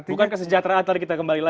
bukan kesejahteraan tadi kita kembali lagi